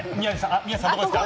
宮司さん、どこですか？